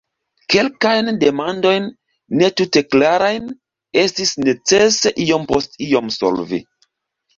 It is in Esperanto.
Kelkajn demandojn, ne tute klarajn, estis necese iom post iom solvi.